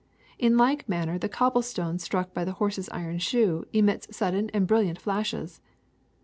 In like manner the cobble stone struck by the horse's iron shoe emits sudden and brilliant flashes.